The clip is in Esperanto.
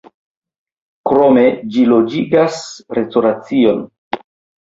Krome ĝi loĝigas restoracion.